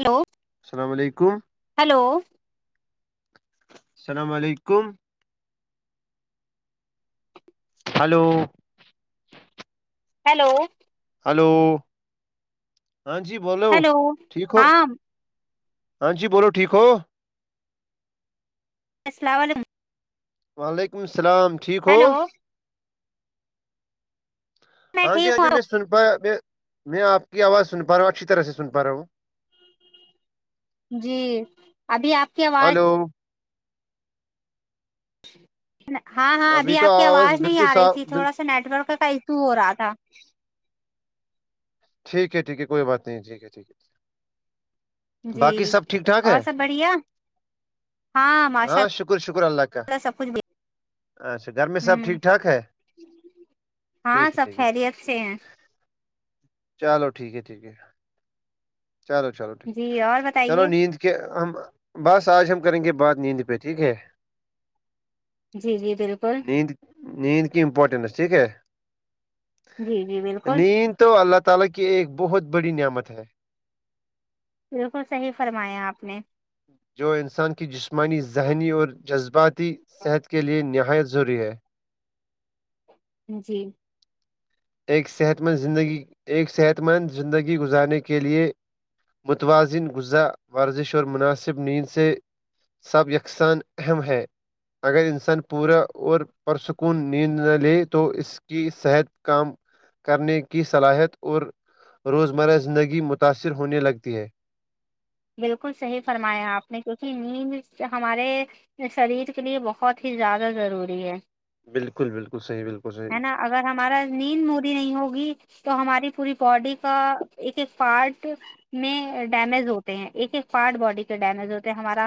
hello السلام علیکم hello السلام علیکم ہلو ہیلو ہلو ہاں جی بولو ہیلو ٹھیک ہو ہاں ہاں جی بولو ٹھیک ہو السل علیکم وعلیکم السلام ٹھیک ہو ہیلو میں ہاں جی ٹھیک ہاں جی میں ہوں سنا آپ کی آواز سن پا رہا ہوں اچھی طرح سے سن پا رہا ہوں جی ابھی آپ کی آواز ہلو ہاں ہاں ابھی تو آپ کی آواز نہیں بالکل آ رہی صاف تھی بال تھوڑا سا نیٹ ورک کا ایشو ہو رہا تھا ٹھیک ہے ٹھیک ہے کوئی بات نہیں ٹھیک ہے ٹھیک ہے جی باقی سب ٹھیک ٹھاک اور ہے سب بڑھیا ہاں شکر شکر اللہ کاا سب کچھ اچھا گھر میں ہ سب ٹھیک ٹھاک ہے ٹھیک ہاں ہے سب ٹھیک ہے خیریت سے [unintelligible] چلو ٹھیک ہے ٹھیک ہے چلو چلو ٹھیک جی اور چلو بتائیے نیند کہ ہم بس آج ہم کریں گے بات نیند پہ ٹھیک ہے جی جی بالکل نیند نیند کی امپورٹینس ٹھیک ہے جی جی بالکل نیند [inaudible] بالکل صحیح فرمایا آپ نے جو انسان کی جسمانی ذہنی اور جذباتی صحت کے لیے نہایت ضروری ہے جی ایک صحت مند زندگی ایک صحت مند زندگی گزارنے کے لیے متوازن غذا ورزش اور مناسب نیند سے سب یکساں اہم ہے اگر انسان پورا اور پرسکون نیند نہ لے تو اس کی صحت کام کرنے کی صلاحیت اور روزمرہ زندگی متاثر ہونے لگتی ہے بالکل صحیح فرمایا آپ نے کیونکہ نیند سے ہمارے یہ شریر کے لیے بہت ہی زیادہ ضروری ہے بالکل بالکل صی بالکل صحی ہے نا اگر ہمارا نیند مودی نہیں ہوگی تو ہماری پوری باڈی کا ایک ایک پارٹ میں ڈیمیج ہوتا ہیں ایک ایک پارٹ باڈی کے ڈیمیج ہوتے ہیں ہمارا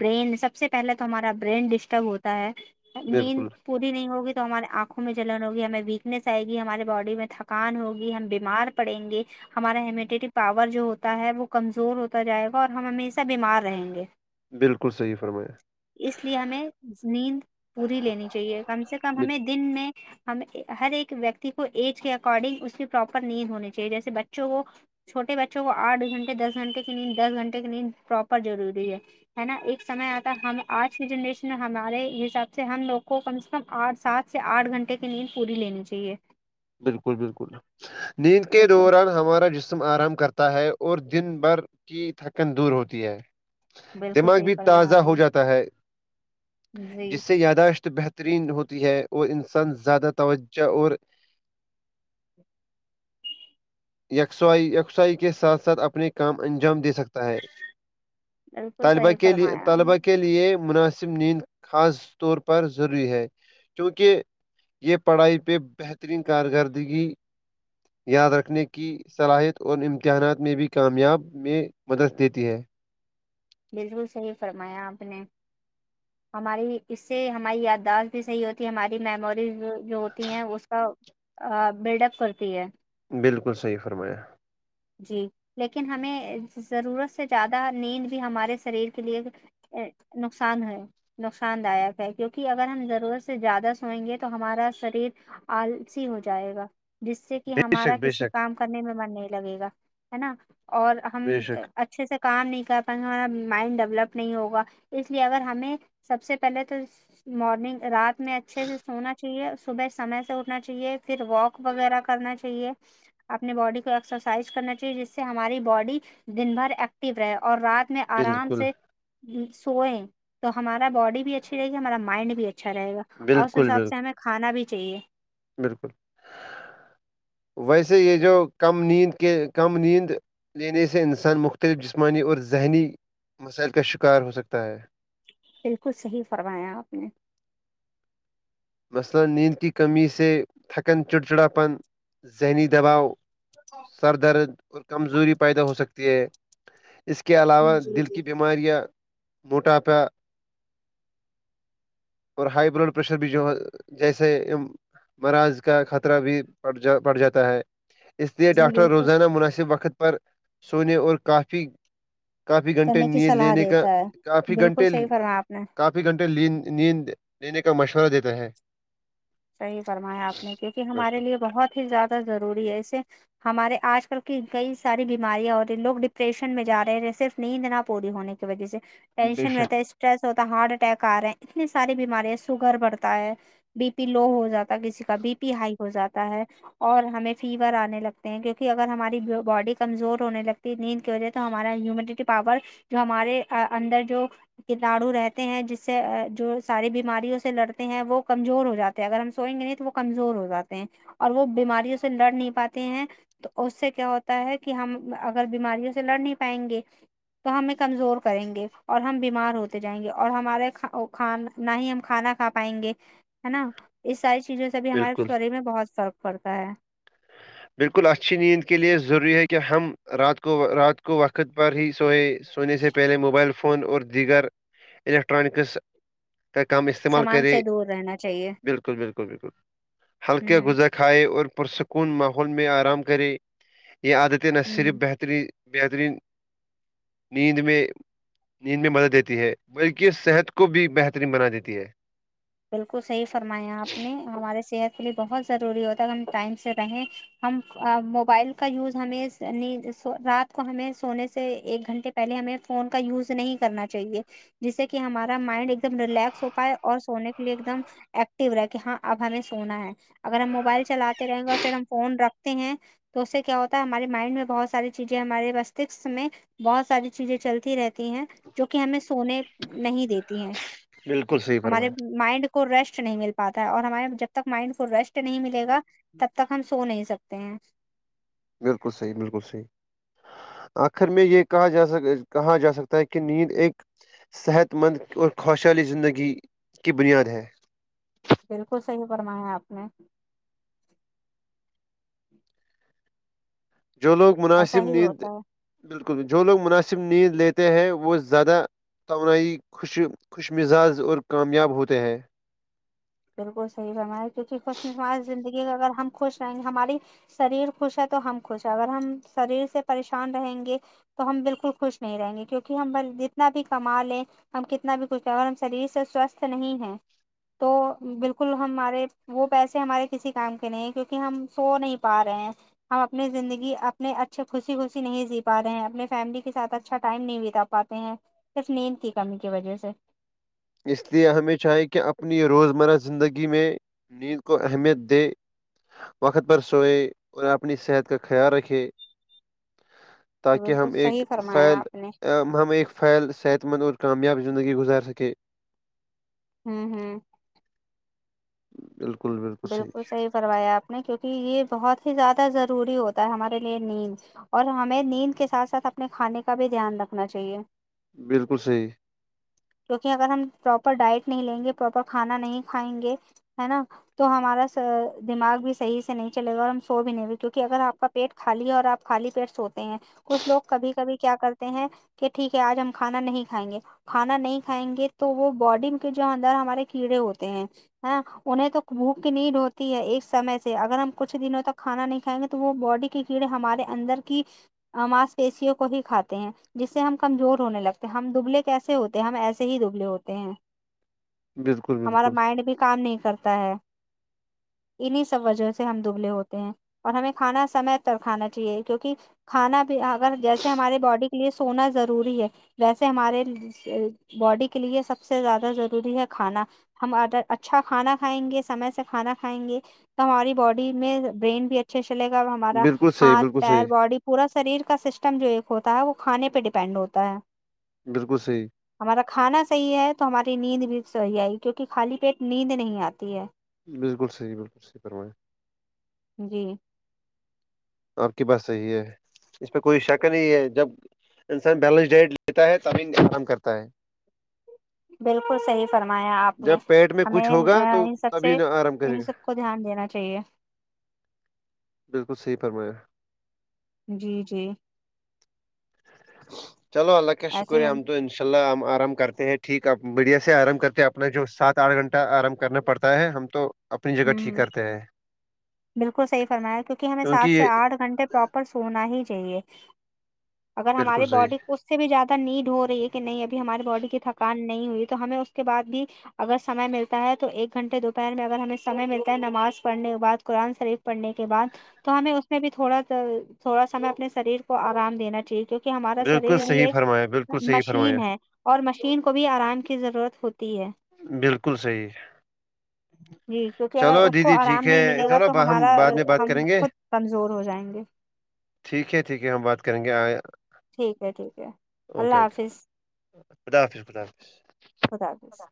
برین سب سے پہلے تو ہمارا برین ڈسٹرب ہوتا ہے مین بالکل پوری نہیں ہوگی تو ہمارے آنکھوں میں جلن ہوگی ہمیں ویکنیس آئے گی ہمارے باڈی میں تھکان ہوگی ہم بیمار پڑیں گے ہمارا ہیمیٹیری پاور جو ہوتا ہے وہ کمزور ہوتا جائے گا اور ہم ہمیشہ بیمار رہیں گے بالکل صحیح فرمایا اس لیے ہمیں نیند پوری لینی چاہیے کم سے کم بال- ہمیں دن میں ہم ہر ایک ویکتی کو ایج کے اکارڈنگ اس کی پراپر نیند ہونی چاہیے جیسے بچوں کو چھوے بچوں کو آٹھ گھنٹے دس گھنٹے کی نیند دس گھنٹے کی نیند پراپر ضروری ہے ہے نا ایک سمئے آتا ہے ہم آج کی جنریشن میں ہمارے حساب سے ہم لوگ کو کم سے م آٹھ سات سے آٹھ گھنٹے کی نیند پوری لینی چاہیے بالکل بالکل نیند کے بالکل دوران ہمارا جس موسم آرام کرتا ہے اور دن بھر کی تھکن دور ہوتی ہے بالکل دماغ صحیح بھی فرمایا تازہ آپ ہو نے جاتا ہے جی جس سے یاداشت بہتر ترین ہوتی ہے اور انسان زیادہ توجہ اور یکسوائی یکسائی کے ساتھ ساتھ اپنے کام انجام دے سکتا ہے بالکل طلبہ صحیح کے لیے فرمایا آپ طلبا نے کے لیے یہ مناسب نیند خاص طور پر ضروری ہے کیونکہ یہ پڑھائی پہ بہترین کارکردگی یاد رکھنے کی صلاحیت اور امتحانات میں بھی کامیاب میں مدد دیتی ہے بالکل صحیح فرمایا آپ نے ہماری اس سے ہماری یادداشت بھی صحیح ہوتی ہے ہماری میموریز بھی جو ہوتی ہیں اس کا بلڈ اپ کرتی ہے بالکل صحیح فرمایا جی لیکن ہمیں ضرورت سے زیادہ نیند بھی ہمارے شریر کے لیے نقصان ہے نقصان داک ہے کیونکہ اگر ہم ضرورت سے زیادہ سوئیں گے تو ہمارا شریر آلسی ہو جائے گا جس سے کہ بے ہمارا شک بے کسی شک کام کرنے میں من نہیں لگے گا ہے نا اور ہم بے شک اچ اچھے سے کام نہیں کر پائیں گے ہمارا مائنڈ ڈیولپ نہیں ہوگا اس لیے اگر ہمیں سب سے پہلے تو مارننگ رات میں اچھے سے سونا چاہیے صبح سمے سے اٹنا چاہیے پھر واک وغیرہ کرنا چاہیے اپنی باڈی ایکسرسائز کرنا چاہیے جس سے ہماری باڈی دن بھر ایکٹو رہے اور رات اس میں آرام بالکل سے سوئیں تو ہمارا باڈی بھی اچھی رہے گی ہمارا مائنڈ بھی اچھا رہے گا اور اس بالکل حساب سے بالکل ہمیں کھانا بھی چاہیے بالکل ویسے یہ جو کم نیند کے کم نیند لینے سے انسان مختلف جسمانی اور ذہنی مسائل کا شکار ہو سکتا ہے بالکل صحیح فرمایا آپ نے مثلا نیند کی کمی سے تھکن چڑچڑا پن سینی دباؤ سر درد اور کمزوری پیدا ہو سکتی ہے اس کے علاوہ جی دل جی کی بیماری کماریہ موٹاپا اور ہائی بلڈ پریشر بھی جو ہے جیسے مراض کا خطرہ بھی پڑ جا پڑ جاتا ہے اس لیئے جی ڈاکٹر بالکل روزانہ مناسب وقت پر سونے اور کافی کافی گھنٹے کرنے کی نیت صلاح لینے کا دیتا ہے کافی بالکل گھنٹے صحیح فرمایا آپ نے کافی گھنٹے نیند لینے کا مشورہ دیتا ہے صحیح فرمایا آپ نے کیونکہ ہمارے بالکل لیے بہت ہی زیادہ ضروری ہے ایے ہمارے آج کل کی کئی ساری بیماریاں ہو رہی ہیں لوگ ڈپریشن میں جا رہے ہیں صرف نیند نہ پوری ہونے کی کی وجہ سے بے ٹینشن شک رہتا ہے اسٹریس ہوتا ہے ہارٹ اٹیک آ رہے ہیں اتنی ساری بیماری ہے سوگر بڑتا ہے بی لو ہو جاتا ہے کسی کا بی پی ہائی ہو جاتا ہے اور ہمیں فیور آنے لگتے ہیں کیونکہ اگر ہماری باڈی کمزور ہونے لگتی نیند کی وجہ تو ہمارا ہیومڈٹی پاور جو ہمارے اندر جو کتاڑو رہتے ہیں جس سے جو ساری بیماریوں سے لڑتے ہیں وہ کمزور ہو جاتے اگر ہم سوئیں گے نہیں تو وہ کمزور ہو جاتے ہیں اور وہ بیماریوں سے لڑ نہیں پاتے ہیں تو اس سے کیا ہوتا ہے کہ ہم اگر بیماریوں سے لڑ نہیں پائیں گے تو ہمیں کمزور کریں گے اور ہم بیمار ہوتے جائیں گے اور ہمارے کھان نہ ہی ہم کھانا کھا پائیں گے ہے نا اس ساری چیزوں سے بھی ہمارے بالکل شریر میں بہت فرق پڑتا ہے بالکل اچھی نیند کے لیے ضروری ہے کہ ہم رات کو رات کو وقت پر ہی سوئے سونے سے پہلے موبائل فون اور دیگر الیکٹرانکس کا کم استعمال سامان کرے سے دور رہنا چاہیے بالکل بالکل بالکل ہلکے ہوں گزر کھائے اور پرسکون ماحول میں آرام کریں یہ عادتیں نہ ہوں صرف بہترین بہترین نیند میں نیند میں مدد دیتی ہے بلکہ اس صحت کو بھی بہترین بنا دیتی ہے بالکل صحیح فرمایا آپ نے ہمارے صحت کے لیے بہت ضروری ہوتا ہے ہم ٹائم سے رہیں ہم موبائل کا یوز ہمیں رات کو ہمیں سونے سے ایک گھنٹے پہلے ہمیں فون کا یوز نہیں کرنا چاہیے جس سے کہ ہمارا مائنڈ ایک دم ریلیکس ہو پائے اور سونے کے لیے ایک دم ایکٹو رہا کہ ہاں اب ہمیں سونا ہے اگر ہم موبائل چلاتے رہیں گے اور پھر ہم فون رکھتے ہیں تو اس سے کیا ہوتا ہمارے مائنڈ میں بہت ساری چیزیں ہمارے مستشک میں بہت ساری چیزیں چلتی رہتی ہیں جو کہ ہمیں سونے نہیں دیتی ہیں بالکل صحیح ہمارے فرمایا مائنڈ کو ریسٹ نہیں مل پاتا ہے اور ہمارے جب تک مائنڈ کو ریسٹ نہیں ملے گا تب تک ہم سو نہیں سکتے ہیں بالکل صحی بالکل صی آخر میں یہ کہا جاک کہا جا سکتا ہے کہ نیند ایک صحت مند اور خوشالی زندگی کی بنیاد ہے بالکل صحیح فرما ہے آپ نے جو لوگ ایسا مناسب ہی نیند ہوتا ہے بالکل جو لوگ مناسب نیند لیتے ہیں وہ زیادہ توانائی خوش خوش مزاج اور کامیاب ہوتے ہیں بالکل صح ہے ہم کیونکہ خوش ہماری زندگی اگر ہم خوش رہیں گے ہماری شریر خوش ہے تو ہم خوش ہیں اگر ہم شریر سے پریشان رہیں گے تو ہم بالکل خوش نہیں رہیں گے کیونکہ ہم جتنا بھی کما لیں ہم کتنا بھی کچھ کر ا ہم شریر سے سوستھ نہیں ہے تو بالکل ہمارے وہ پیسے ہمارے کسی کام کے نہیں کیونکہ ہم سو نہیں پا رہے ہیں ہم اپنے زندگی اپنے اچھے خوشی خوشی نہیں جی پا رہے ہیں اپنے فیملی کے ساتھ اچھا ٹائم نہیں بیتا پاتے ہیں صرف نیند کی کمی کی وجہ سے اس لیے ہمیں چاہے کہ اپنی روزمرہ زندگی میں نیند کو اہمیت دے وقت پر سوئے اور اپنی صحت کا خیال رکھے جی تاکہ بالکل ہم ایک صحیح فرمایا فل آپ نے ہم ایک فعل صحت مند اور کامیاب زندگی گزار سکے ہوں ہوں بالکل بالکل بالکل صحیح کروایا آپ نے کیونکہ یہ بہت ہی زیادہ ضروری ہوتا ہے ہمارے لیے نیند اور ہمیں نیند کے ساتھ ساتھ اپنے کھانے کا بھی دھیان رکھنا چاہیے بالکل صحیح کیوںکہ اگر ہم پراپر ڈائٹ نہیں لیں گے پراپر کھانا نہیں کھائیں گے ہے نا تو ہمارا دماغ بھی صحیح سے نہیں چلے گا اور ہم سو بھی نہیں گ کیونکہ اگر آپ کا پیٹ خالی ہے اور آپ خالی پیٹ سوتے ہیں کچھ لوگ کبھی کبھی کیا کرتے ہیں کہ ٹھیک ہے آج ہم کھانا نہیں کھائیں گے کھانا نہیں کھائیں گے تو وہ باڈی کے جو اندر ہمارے کیڑے ہوتے ہیں ہ انہیں تو بھوک کی نیند ہوتی ہے ایک سمے سے اگر ہم کچھ دنوں تک کھانا نہیں کھائیں گے تو وہ باڈی کی کیڑ ہمارے اندر کی ماس پیشیوں کو ہی کھاتے ہیں جس سے ہم کمزور ہونے لگتے ہم دبلے کیسے ہوتے ہم ایسے ہی دبلے ہوتے ہیں بالکل ہمارا بالکل مائنڈ بھی کام نہیں کرتا ہے [unintelligible] [inaudible] انہی سب وجہ سے ہم دبلے ہوتے ہیں اور ہمیں کھانا سمے پر کھانا چاہیے کیونکہ کھانا بھی اگر جیسے ہمارے باڈی کے لیے سونا ضروری ہے ویسے ہمارے باڈی کے لیے سب سے زیادہ ضروری ہے کھانا ہم اچھا کھانا کھائیں گے سمے سے کھانا کھائیں گے تو ہماری باڈی میں برین بھی اچھے چلے گا ہمارا بالکل صحیح ہاتھ بالکل پیر صحیح باڈی پورا شریر کا سسٹم جو ایک ہوتا ہے وہ کھانے پہ ڈیپینڈ ہوتا ہے بالکل صحیح ہمارا کھانا صحیح ہے تو ہماری نیند بھی صحیح آئی کیوںکہ خالی پیٹ نیند نہیں آتی ہے بالکل صحیح بالکل صحیح پررمایں جی آپ کی بات صحیح ہے اس پ کوئی شک نہیں ہے جب انسان بیلنس ڈائٹ لیتا ہے ت آرام کرتا ہے بالکل صحی فرمایا آپ نے جب پیٹ میں کچھ ہمیں ہوگا تو ان سب تبھی سے نہ آرام کرے ان گا سب کو دھیان دینا چاہیے بالکل صحی فرمایا جی جی چلو اللہ کا ایسے ہی شکریہ ہم تو اناء ان شاء اللہ ہم آرام کرتے ہیں ٹھیک اب میڈیا سے آرام کرتے اپنا جو سات آٹھ گھنٹہ آرام کرنا پڑتا ہے ہم تو اپنی جگہ ٹھیک ہ کرتے ہیں بالکل صحیح فرمایا کیونکہ ہمیں سات سے آٹھ گھنٹے پرپر سونا ہی چاہیے اگر بالکل ہماری صحیح باڈی کو سے بھی زیادہ نیڈ ہو رہی ہے کہ نہیں ابھی ہماری باڈی کی تھکان نہیں ہوئی تو ہمیں اس کے بعد بھی اگر سے ملتا ہے تو ایک گھنٹے دوپہر میں اگر ہمیں سمے ملتا ہے نماز پڑھنے کے بعد قرآن شریف پڑھنے کے بعد تو ہمیں اس میں بھی تھوڑا س تھوڑا سایں اپنے شریر کو آرام دینا چاہیے کیکہ کہ ہمارا بالکل شریر بھی صحیح ایک فرمایا بالکل صحیح مشین فرمایا ہے اور مشین کو بھی آرام کی ضرورت ہوتی ہے بالکل صحیح ہے جی کیونکہ اگر اس کو دیدی آرام ٹھیک ہے نہیں ملے گا چلو تو ہم ہمارا بعد میں بات ہم کریں گے خود کمزور ہو جائیں گے ٹھیک ہے ٹھیک ہے ہم بات کریں گے آ ٹھیک ہے ٹھیک ہے اوکے اللہ اوکے حافظ خدا حافظ خدا حافظ خدا حافظ